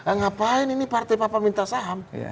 ngapain ini partai papa minta saham